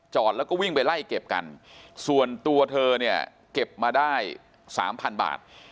แล้วก็วิ่งไปไล่เก็บกันส่วนตัวเธอเนี่ยเก็บมาได้สามพันบาท